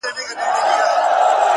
تک سپين کالي کړيدي _